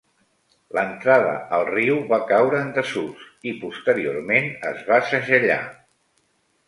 L"entrada al riu va caure en desús i posteriorment es va segellar.